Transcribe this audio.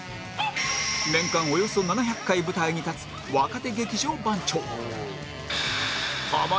年間およそ７００回舞台に立つ若手劇場番長